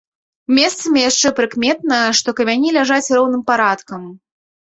Месцамі яшчэ прыкметна, што камяні ляжаць роўным парадкам.